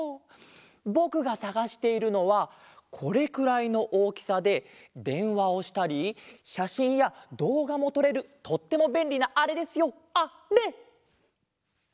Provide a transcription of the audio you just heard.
ぼくがさがしているのはこれくらいのおおきさででんわをしたりしゃしんやどうがもとれるとってもべんりなあれですよあれ！